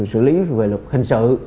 sử lý về luật hình sự